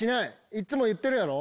いっつも言ってるやろ。